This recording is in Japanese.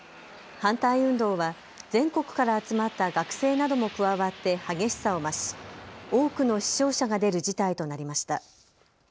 反対運動は全国から集まった学生なども加わって激しさを増し多くの死傷者が出る事態となりました。